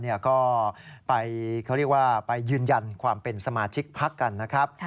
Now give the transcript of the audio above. ก็ไปเขาเรียกว่าไปยืนยันความเป็นสมาชิกพักกันนะครับ